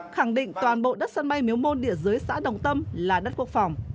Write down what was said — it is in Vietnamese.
khẳng định toàn bộ đất sân bay miếu môn địa dưới xã đồng tâm là đất quốc phòng